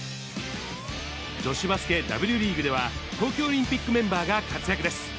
女子バスケＷリーグでは、東京オリンピックメンバーが活躍です。